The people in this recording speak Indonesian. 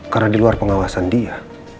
karena di luar pengawasan dia